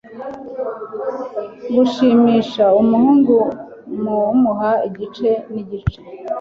Gushimisha umuhungu mumuha igice cyigice